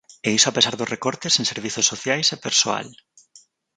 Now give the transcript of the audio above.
E iso a pesar dos recortes en servizos sociais e persoal.